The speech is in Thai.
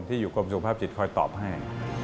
ที่อยู่ความสุขภาพสิทธิ์คอยตอบให้